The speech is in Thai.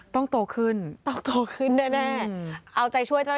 ต้องโตขึ้น